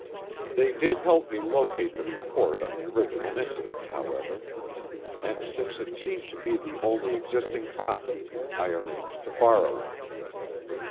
They did help me locate the report on the original incident, however, and since it seemed to be the only existing copy, I arranged to borrow it.